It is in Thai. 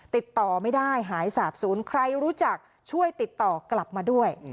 ติดต่อไม่ได้หายสาบศูนย์ใครรู้จักช่วยติดต่อกลับมาด้วย